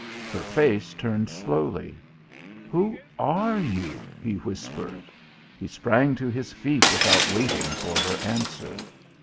Her face turned slowly. "Who are you?" he whispered. He sprang to his feet without waiting for her answer.